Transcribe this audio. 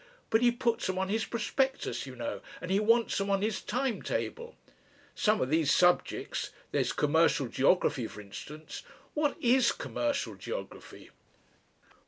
But he puts 'em on his prospectus, you know, and he wants 'em on his time table. Some of these subjects There's commercial geography, for instance. What is commercial geography?"